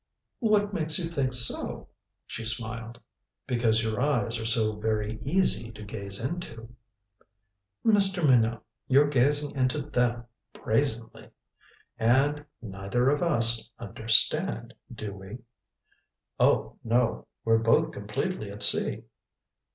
"What makes you think so?" she smiled. "Because your eyes are so very easy to gaze into." "Mr. Minot you're gazing into them brazenly. And neither of us 'understand,' do we?" "Oh, no we're both completely at sea."